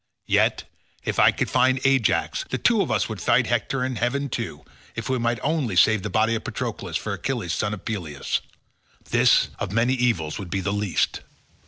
Yet, if I could find Ajax, the two of us would fight Hector and heaven too, if we might only save the body of Patroclus for Achilles son of Peleus. This, of many evils would be the least."